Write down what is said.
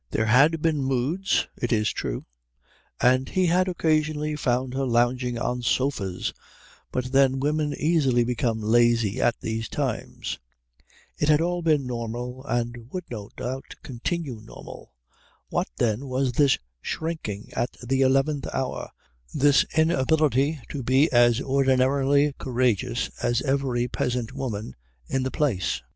There had been moods, it is true, and he had occasionally found her lounging on sofas, but then women easily become lazy at these times. It had all been normal and would no doubt continue normal. What, then, was this shrinking at the eleventh hour, this inability to be as ordinarily courageous as every peasant woman in the place?